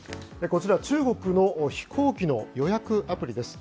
こちら中国の飛行機の予約アプリです。